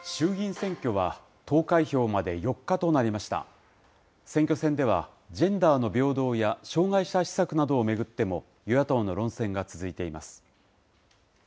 選挙戦では、ジェンダーの平等や、障害者施策などを巡っても、与野党の論戦が続いています。